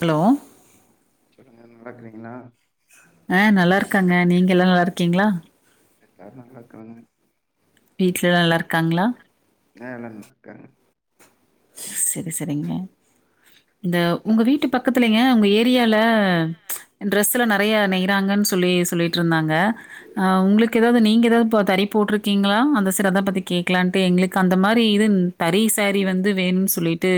Hello நடக்கறீங்களா ஆஹ் நல்லா இருக்காங்க நீங்க நல்லா இருக்கீங்களா எல்லரு நல்ல இருக்கங்க [inaudible] வீட்ல எல்லாம் நல்லா இருக்காங்களா ஆஹ் எல்லரு இருக்காங்க [inaudible] செரி செரிங்க இந்த உங்க வீட்டு பக்க பக்கத்துலைங்க உங்க ஏரியால ச் டரெஸ்ல நெறைய நெய்கிறாங்கன்னு சொல்லி சொல்லிட்டு இருந்தாங்க. உங்களுக்கு ஏதாவது நீங்க ஏதாவது தறி போட்டிருக்கீங்களா அந்த தறி [unintelligible] சேரியெலாம் எங்களுக்கு அந்த மாதிரி இது தறி சாரி வந்து வேணும்னு சொல்லிட்டு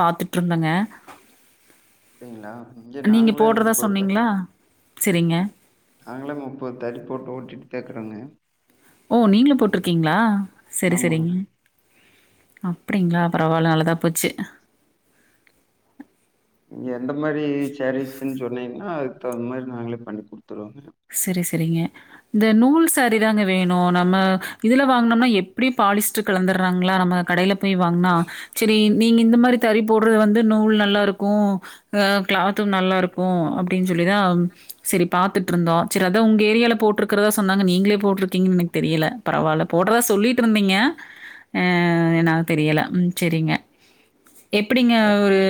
பாத்துட்டு இருந்தோங்க அப்டிங்களா இங்க நாங்களே முப்பது [unintelligible] செரிங்க நாங்களே முப்பது தறி போட்டு ஓட்டிகிட்டு இருக்றோங்க ஓ நீங்களும் போட்டிருக் ங்களா செரி ஆமாங்க செரிங் அப்டிங்களா பரவால்ல நல்லதா போச்சு [unintelligible] எந்த மாரி செரிஸ்ன்னு சொன்னீங்கன்னா அது மாரி நாங்களே பண்ணி கொடுப் செரி செரிங்க இந்த நூல் சாரிதாங்க வேணு நம்ம இதுல வாங்கனோம்னா எப்டி பாலிஸ்டர் கலந்துடுறாங்களா நம்ம கடைல போய் வாங்குனா சேரி நீங்க இந்த மாதிரி தறி போடுறது வந்து நூல் நல்லா இருக்கூ அஹ் கிளாத்தும் நல்லா இருக்கூ அப்டின்னு சொல்லிதான் செரி பாத்துட் இருந்தோம் சேரி உங்க ஏரியால போட்டிருக்கறதா சொன்னாங்க நீங்களே போட்டிருக்கீங்கன்னு எனக்கு தெரியல பரவால்ல போடுறதா சொல்லிட்டு இருந்தீங்க அஹ் என்ன தெரியல சேரிங்க எப்டிங்க ஒரு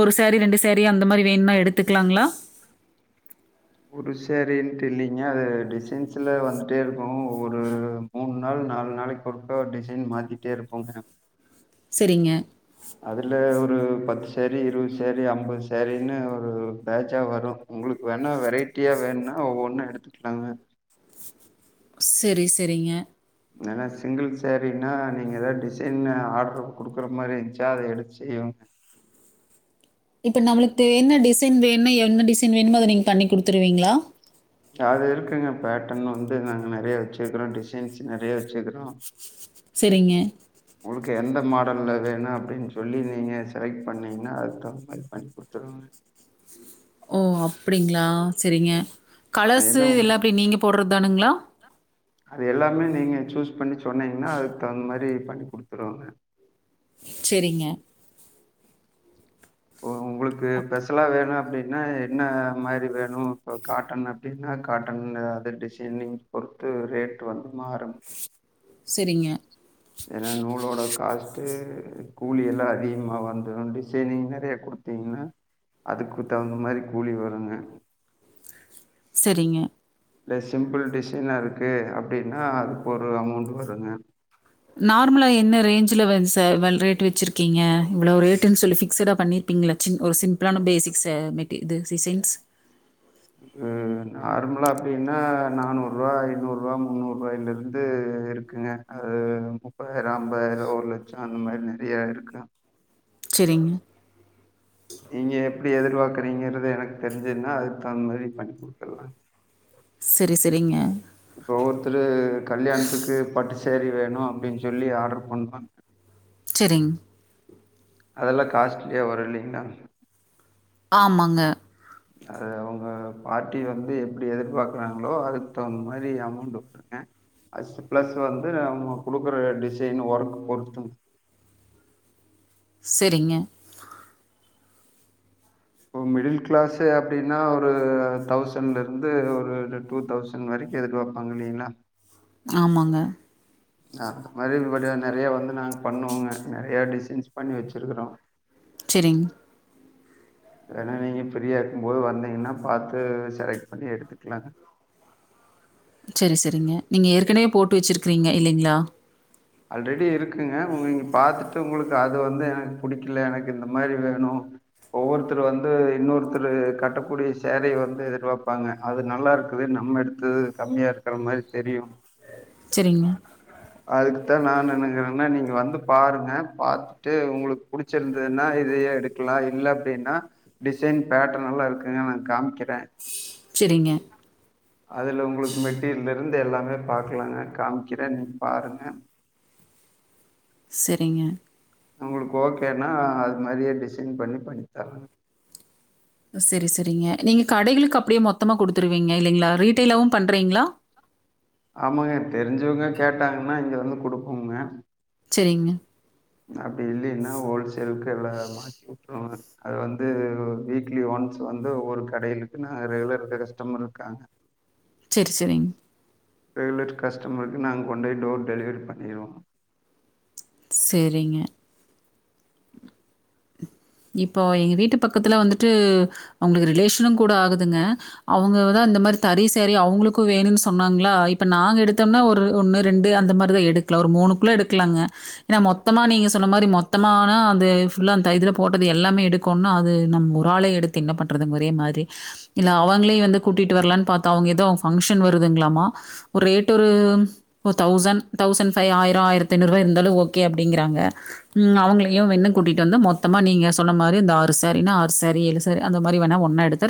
ஒரு சேரி ரெண்டு சேரி அந்த மாதிரி வேணுனா எடுத்துக்கலாங்களா ஒரு சாரின்ட்டு இல்லைங்க அது டிசைன்ஸ்ல வந்துட்டே இருக்கூ. ஒரு மூணு நாள் நாலு நாளைக்கு ஒருக்கா டிசைன் மாத்திட்டே இருப்போங்க செரிங்க அதுல ஒரு பத்து செரி இருவது செரி ஐம்பது செரினு ஒரு பேட்சா வரும் உங்களுக்கு வேணா வெரைட்டியா வேணும்னா ஒவ்வொன்னு எடுத்துக்கலாங்க. செரி செரிங்க என்னனா சிங்கிள் சாரினா நீங்க எதாவ்து டிசைன்னு ஆட்ரு குடுக்குற மாரி இருந்துச்சா அத எடுத்து செய்வோங்க இப்ப நம்ளுக்கு என்ன டிசைன் வேணுனா என்ன டிசைன் வேணுமோ அத நீங்க பண்ணி குடுத்துருவீங்களா அது இருக்குங்க பேட்டர்ன் வந்து நாங்க நெறையா வெச்சுருக்குறோம் டிசைன்ஸ் நெறையா வெச்சுக்குறோம் செரிங்க ஆல் வேணும் அப்டின்னு சொல்லி நீங்க செலக்ட் பண்ணீங்கன்னா அதுக்கு தகுந்த மாரி பண்ணி குடுத்துருவ ஓ அப்டிங்களா செரிங்க அது கலர்ஸ்சு என்ன எல்லா நீங்க போட்றது தானுங்களா அது எல்லாமே நீங்க சூஸ் பண்ணி சொன்னீங்னா அதுக்கு தகுந்த மாரி பண்ணிக் குடுத்துருவாங்க செரிங்க உங்குளுக்கு ஸ்பெஷலா வேணு அப்டினா என்ன மாரி வேணு இப்போ காட்டன் அப்டினா காட்டன் அது டிசைனிங் பொறுத்து ரேட்டு வந்து மாறும் செரிங்க ஏனா நூலோட காஸ்ட்டு கூலி எல்லா அதிகமா வந்துரும் டிசைனிங் நெறையா குடுத்தீங்கனா அதுக்கு தகுந்த மாரி கூலி வருங்க செரிங்க இல்ல சிம்பிள் டிசைனா இருக்கு அப்டினா அதுக்கு ஒரு அமௌண்ட் வருங்க நார்மலா என்ன ரேஞ்ச்ல வந்து சார் ரேட்டு வெச்சிருக்க ஓகேங்க இவ்ளோ ரேட்டுனு சொல்லு ஃபிக்ஸ்ஸடா பண்ணிருப்பீங்கள சின் ஒரு சிம்பிளான பேசிக்ஸ்ஸ மெட் இது டிசைன்ஸ் நார்மலா அப்டினா நானூற்வா ஐந்நூற்வா முன்னூற்வாயில இருந்து இருக்குங்க அது முப்பதாயிரம் ஐம்பதாயிரம் ஒரு லட்சம் அந்த மாரி நெறயா இருக்கு செரிங் நீங்க எப்டி எதிர் பாக்குறீங்கறது எனக்கு தெரிஞ்சுதுனா அதுக்கு தகுந்த மாரி பண்ணி் குடுத்ருலாங்க செரி செரிங்க இப்ப ஒவ்வொருத்துரு கல்யாணத்துக்கு பட்டு சாரி வேணு அப்டினு சொல்லி ஆர்டர் பண்ணுவா செரிங் அதெல்லா காஸ்ட்லியா வரு இல்லிங்கலா ஆமாங்க அது அவுங்க பார்ட்டி வந்து எப்டி எதிர்பாக்குறாங்களோ அதுக்கு தகுந்த மாரி அமௌண்ட் குடுப்ப அடுத்து பிளஸ் வந்து அவுங்க குடுக்குற டிசைன் ஒர்க் பொறுத்துங்க செரிங்க இப்ப மிடில் கிளாஸ்சு அப்டினா ஒரு தௌசண்ல இருந்து ஒரு டூ தௌசண் வரைக்கு எதிர் பாப்பாங்க இல்லிங்களா ஆமாங்க அந்த மாரி இவட நெறயா வந்து நாங்க பண்ணுவங்க நெறயா டிசைன்ஸ் பண்ணி வெச்சிருக்குறோ செரிங் வேன்னா நீங்க ஃப்ரீயா இருக்கும் போது வந்தீங்னா பாத்து செலக்ட் பண்ணி எடுத்துக்குலாங் சரி, சரிங்க. நீங்க ஏற்கனவே போட்டு வெச்சுருக்குறீங்க இல்லிங்ளா ஆல்ரெடி இருக்குங்க உங்க இங்க பாத்துட்டு உங்குளுக்கு அது வந்து எனக்கு புடிக்குல எனக்கு இந்த மாரி வேணு ஒவ்வொருத்தர் வந்து இன்னொருத்துரு கட்டக்கூடிய சேலய வந்து எதிர்பாப்பாங்க அது நல்லா இருக்கு நம்ம எடுத்து கம்மியா இருக்குற மாரி தெரியு செரிங்க அதுக்குத்தா நா என்னக்கறன்னா நீங்க வந்து பாருங்க பாத்துட்டு உங்குளுக்கு புடிச்சுருந்துன்னா இதயே எடுக்கலா இல்ல அப்டினா டிசைன் பேட்டர்ன் எல்லா இருக்குங்க நா காமிக்கிற செரிங்க அதுல உங்குளுக்கு மெட்டீரியல்ல இருந்து எல்லாமே பாக்கலாங்க காமிக்கிற நீங்க பாருங்க செரிங்க உங்குளுக்கு ஓகேனா அது மாரியே டிசைன் பண்ணி பண்ணித்தர செரி செரிங்க நீங்க கடைகளுக்கு அப்படியே மொத்தமா குடுத் துருவீங்க இல்லைங்ளா ரீட்டெய்லாவும் பண்றீங்ளா ஆமாங்க தெரிஞ்சவங்க கேட்டாங்கனா இங்கிருந்து குடுப்பம்ங்க செரிங்க அப்படி இல்லைனா ஹோல்சேல் இருக்கு எல்லா மாத்தி விட்டுருவாங்க அது வந்து வீக்லி ஒன்ஸ் வந்து ஒவ்வொரு கடையிலக்கு நா ரெகுலர் கஸ்டமர் இருக்காங்க செரி செரிங்க ரெகுலர் கஸ்டமருக்கு நாங்க கொண்ட போய் டோர் டெலிவரி பண்ணிடுவோ சேரிங்க இப்போ எங்க வீட்டு பக்கத்துல வந்துட்டு அவங்கள் ரிலேஷனுங் கூட ஆகுதுங்க அவங்கதா இந்த மாரி தறி சேரி அவங்களுக்கு வேணுன்னு சொன்னாங்களா இப்ப நாங்க எடுத்தோம்னா ஒரு ஒண்ணு ரெண்டு அந்த மாதிரிதா எடுக்கலா ஒரு மூணுக்குள்ள எடுக்கலாங்க ஏனா மொத்தமா நீங்க சொன்ன மாரி மொத்தமானா அது ஃபுல்லா அந்த இதுல போட்டது எல்லாமே எடுக்கோண்னா அது நம் ஒராளே எடுத்து என்ன பண்றது ஒரே மாரி இல்ல அவங்களே வந்து கூட்டிட்டு வரலான்னு பார்த்தோ அவுங்க ஏதோ அவுங்க ஃபங்க்ஷன் வருதுங்களாமா ஒரு ரேட் ஒரு ஒரு தௌசண்ட் தௌசண்ட் ஃபைவ் ஆயிரோ ஆயிரத்தி ஐநூறு ரூவா இருந்தாலு ஓகே அப்படிங்கிறாங்க ம் அவங்களையு வெண்ணா கூட்டிட்டு வந்தா மொத் தமா நீங்க சொன்ன மாரி இந்த ஆறு சாரீனா ஆறு சாரி ஏழு சாரி அந்த மாரி வேணா ஒன்னா எடுத்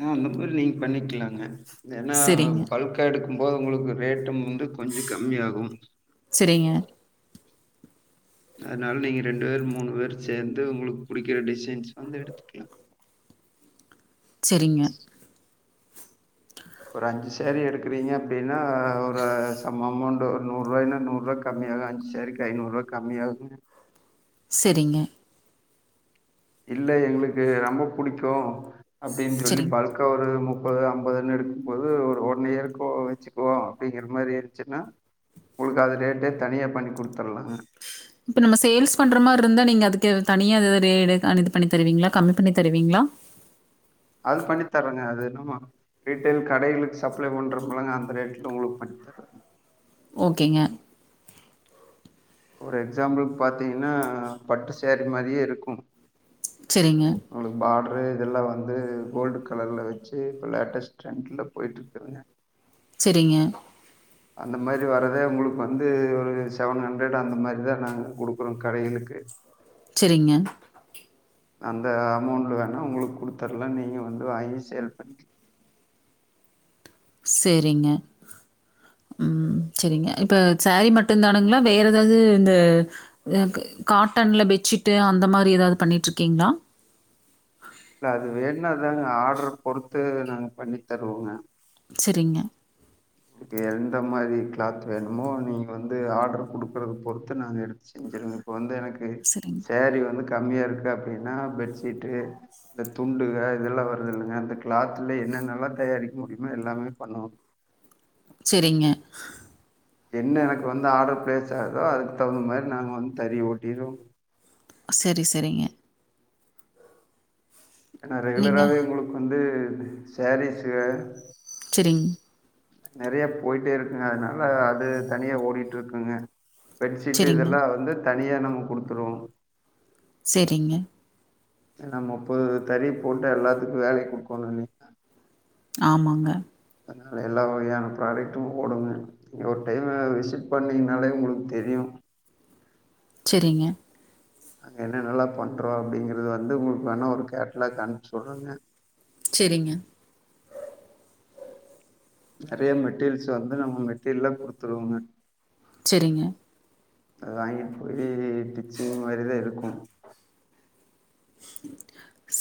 ஆஹ அந்த மாரி நீங்க பண்ணிக்கலாங்க ஏனா சரிங்க, பல்க்கா எடுக்கும்போது உங்களுக்கு ரேட்டும் வந்து கொஞ்சோ கம்மி ஆகும் சரிங்க, [inaudible] அதனால நீங்க ரெண்டு பேர் மூணு பேர் சேர்ந்து உங்களுக்கு புடிக்கிற டிசைன்ஸ் வந்து எடுத்துக்கலா செரிங்க ஒரு அஞ்சு சாரி எடுக்கறீங்க அப்படின்னா ஒரு சம் அமௌண்ட் ஒரு நூறு ரூவாய்ன்னா நூறு ரூபா கம்மி ஆகு அஞ்சு சாரிக்கு ஐநூறு ரூவா கம்மி ஆகுங்க செரிங்க இல்ல எங்களுக்கு ரொம்ப புடிக்கூ அப்படின்னு சொல்லி சரிங்க. பல்கா ஒரு மு ப்பது ஐம்பதுன்னு எடுக்கும்போது ஒரு ஒன் இயருக்கே வெச்சுக்குவோ அப்படிங்கிற மாரி இருந்துச்சுன்னா உங்களுக்கு அது ரேட்டே தனியா பண்ணி குடுத்துடலாங்க இப்ப நம்ம சேல்ஸ் பண்ற மாரி இருந்தா நீங்க அதுக் கு தனியா இது ரே பண்ணி தருவீங்களா கம்மி பண்ணித் தருவீங்களா ம் பண்ணித் தர்ரங்க அது என்னமோ ரீட்டேள் கடைளுக்கு சப்ளை பண்றப்பல்லங்க அந்த ரேட்ல உங்களுக்கு பண்ணி தர்ரங்க ஓகேங்க ஒரு எக்ஸாம்பிள் பாத்தீங்கன்னா பட்டு சேரீ மாரியே இருக்கூ சரிங்க, உங்ளுக்கு பார்டர் ரே இப்ப இதெல்லா வந்து கோல்டு கலர்ல வெச்சு இப்ப லேட்டஸ்ட் டிரிண்ட்ல போய்ட்டு இருக்குதுங்க செரிங்க அந்த மாரி வர்ரத உங்களுக்கு வந்து ஒரு செவன் ஹண்ட்ரட் அந்த மாரிதா நாங்க குடுக்குறோ கடைகளுக்கு செரிங்க அந்த அமௌண்ட் வேணா உங்களுக்கு குடுத்தர்லா நீங்க வந்து வாங்கி சேல் பண்ணிக்கலா சேரிங்க ம் சேரிங்க இப்ப சாரீ மட்டுந்தானுங்களா வேற எதாவது இந்த காட்டன்ல பெட்ஷீட்டு அந்த மாரி எதாவது பண்ணிட்டு இருக்கீங்களா இல்ல அது வேணுன்னா அதாங்க ஆர்டரு பொறுத்து நாங்க பண்ணித் தருவோங்க செரிங்க எந்த மாரி கிளாத் வேணுமோ நீங்க வந்து ஆர்டர் குடுக்குறத பொறுத்து நாங்க எடுத்து செஞ்சிருவங்க இப்ப வந்து எனக் கு சரிங்க, சேரி வந்து கம்மியா இருக் அப்டீனா பெட்ஷீட்டு இந்த துண்டுக இதெல்லா வருதில்லங்க அந்த கிளாத்தில்ல என்னென்னல்லா தயாரிக் முடியுமோ எல்லாமே பண்ணுவாங்க செரிங்க என்ன எனக்கு வந்து ஆர்டரு பிளேஸ் ஆகுதோ அதுக்கு தகுந்த மாரி நாங்க வந்து தறி ஓட்டிடுவோ செரி செரிங்க நா நீங்க ரெகுலராவே உங்குளுக்கு வந்து [unintelligible] சேரீஸ் [unintelligible] செரிங் நெறைய போயிட்டே இருக்குங்க அதனால அது தனியா ஓடிட்டுருக்குங்க பெட்ஷீட்டு சரிங்க, இதெல்லா வந்து தனியா நம்ம குடுத்துருவோ செரிங்க ஏன்னா முப்பது தறி போட்டு எல்லாத்துக்கு வேல குடுக்குணு இல்லைங்ளா ஆமாங்க அதனால் எல்லா வகையான ப்ராடக்ட்டு ஓடுங்க நீங்க ஒரு டைமு விசிட் பண்ணீங்கனாலே உங்களுக்கு தெரியு செரிங்க நாங்க என்னென்னல்லா பண்றோ அப்டிங்கறிறது வந்து உங்குளுக் வேணா ஒரு கேட்லாக் அனுப் சொல்றங்க செரிங்க நெறைய மெட்டீரீல்ஸ் வந்து நம்ம மெட்டீரீல்லா குடுத்துடுவோங்க செரிங்க அது வாங்கிட்டு போயி டிச்சிங் மாரிதா இருக்கு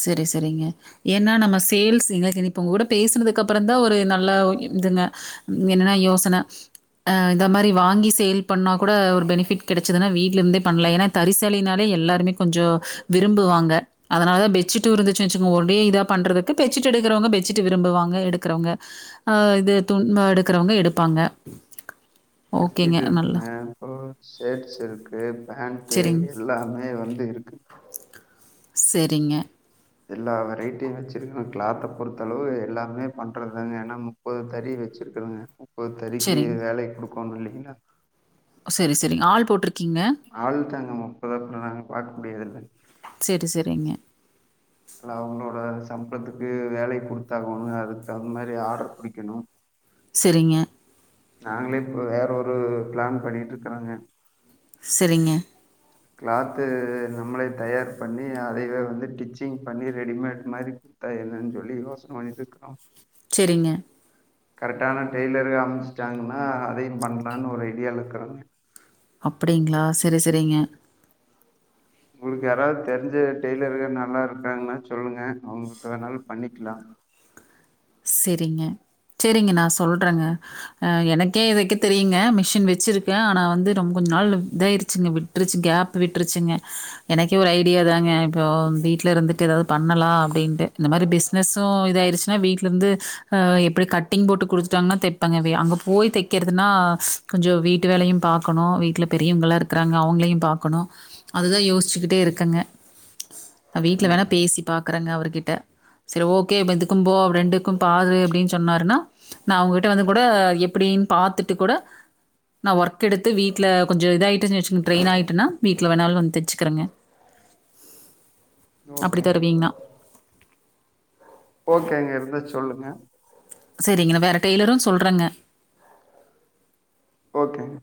செரி செரிங்க ஏன்னா நம்ம சேல்ஸ் எங்களுக்கு இனி இப்போ உங்க கூட பேசுனதுக்கு அப்புற தா ஒரு நல்லா ஒ இதுங்க ம் என்னென்னா யோசன அ இந்த மாரி வாங்கி சேல் பண்ணா கூட ஒரு பெனிஃபிட் கெடச்சதுன்னா வீட்ல இருந்தே பண்லா ஏன்னா தறி சேலை னாலே எல்லாருமே கொஞ்சோ விரும்புவாங்க அதனாலதா பெட்சீட்டு இருந்துச்சு வச்சுங்க ஒடே இதா பண்றதுக்கு பெட்சீட் எடுக்கிறவங்க பெட்சிட்டு விரும்புவாங்க எடுக்கிறவங்க அ இது துண்டு எடுக்கிறவங்க எடுப்பாங்க ஓகேங்க. பெட்ஷீட் நல்லா இருக்குங்க அப்பறோ சேட்ஸ் இருக்கு பேண்ட்டு சரிங்க. எல்லாமே வந்து இருக்கு செரிங்க எல்லா வெரைட்டியு வச்சிரு [unintelligible] கிளாத்த பொறுத்தளவு எல்லாமே பண்றதுதாங்க ஏன்னா முப்பது தறி வச்சிருக்கறங்க ஒரு தறிக்கு சரிங்க. வேலை குடுக் [unintelligible] செரி செரிங்க ஆள் போட்டுருக் ஆள்தாங்க முப்பத் [unintelligible] நாங்க பாக் முடியாதுல்ல சரி, சரிங்க. எல்லா அவங்களோட சம்பளத்துக்கு வேலை குடுத்தாகணு அதுக்கு தகுந் மாரி ஆடர் புடிக்கணு செரிங்க நாங்களே இப்ப வேற ஒரு பிளான் பண்ணிட்டுருக்குறேங்க சரிங்க. க்ளாத்து நம்மளே தயார் பண்ணி அதைவே வந்து டிச்சிங் பண்ணி ரெடிமேட் மாரி ப் சொல்லி யோசன பண்ணிட்ருக்கிறோ செரிங்க கரெக்டான டெய்லரு அமஞ்சுட்டாங்கன்னா அதையு பண்ணலான்னு ஒரு ஐடியால இருக்குறோங்க அப்படிங்ளா செரி செரிங்க உங்ளுக்கு யாராவ்து தெரிஞ்ச டெய்லரு நல்லா இருக்காங்ன்னா சொல்லுங்க அவுங்கிட்ட வேணாலு பண்ணிக்கலாம் செரிங்க செரிங்க நா சொல்றேங்க அ எனக்கே தெக்கே தெரியுங்க மிஷின் வச்சிருக்கே ஆனா வந்து ரொம் கொஞ்ச் நாள் இதாயிருச்சுங்க விட்ருச்சு கேப் விட்ருச்சுங்க எனக்கே ஒரு ஐடியா தாங்க இப்போ வீட்ல இருந்துட்டு எதாவ்து பண்ணலா அப்டின்ட்டு இந்த மாரி பிஸ்னஸு இதாயிருச்சுன்னா வீட் ல இருந்து அ எப்படி கட்டிங் போட்டு குடுத்துட்டாங்கன்னா தெப்பங்க அங்க போய் தெக்கிறதுனா கொஞ்சோ வீட்டு வேலயு பாக்கணு வீட்டல பெரியவங்கா ல இருக்றாங்க அவங்களையு பாக்கணு அதுதா யோசிச்சுக்கிட்டே இருக்கங்க நா வீட்ல வேணா அப்படிங்களா பேசி பாக்குறேங்க அவருகிட்ட சரி ஓகே இப்ப இதுக்கும்போ ரெண்டு க்கும்பாது அப்டின்னு சொன்னாருன்னா நான் அவகிட்ட வந்து கூட எப்டின்னு பாத்துட்டு கூட நான் ஒர்க் எடுத்து வீட்ல கொஞ்சோ இதாயிட்டேனா வெச்சு ட்ரெயின் ஆயிட்டேன்னா வீட்ல வேணாலும் வந்து தெச்சுக்கிறங்க அப்டி ஓகேங்க தருவீங்னா ஓகே அங்க இருந்தா சொல்லுங்க சரிங்க வேற டெய்லரோ சொல்றேங்க ஓகேங்க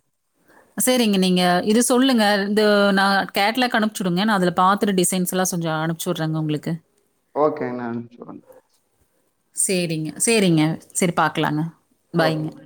சரிங்க நீங்க இது சொல்லுங்க இந்த நான் கேட்லாக் அனுப்பிச்சுடுங்க நான் அதுல பாத்துடு டிசைன்ஸ் எல்லா கொஞ்சோ அனுப்பிச்சுடுறேங்க உங்களுக்கு ஓகே நா அம்ச்டுறங்க சேரிங்க சேரிங்க சரி பாக்கலாங்க பாய்ங்க ஓகேங்க